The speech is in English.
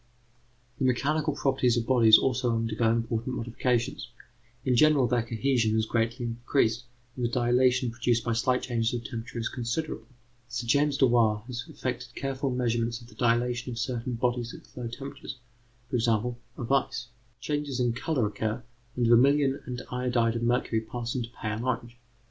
The mechanical properties of bodies also undergo important modifications. In general, their cohesion is greatly increased, and the dilatation produced by slight changes of temperature is considerable. Sir James Dewar has effected careful measurements of the dilatation of certain bodies at low temperatures: for example, of ice. Changes in colour occur, and vermilion and iodide of mercury pass into pale orange.